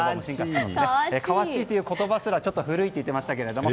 かわちいという言葉すら古いと言っていましたけれども。